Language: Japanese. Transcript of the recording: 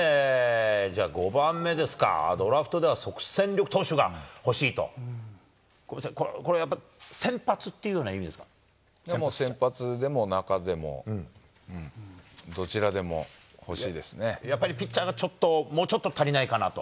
じゃあ、５番目ですか、ドラフトでは即戦力投手が欲しいと、ごめんなさい、やっぱこれ、もう先発でも中でも、どちらやっぱり、ピッチャーがちょっと、もうちょっと足りないかなと？